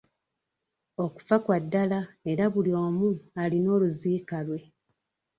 Okufa kwa ddala era buli omu alina oluziika lwe.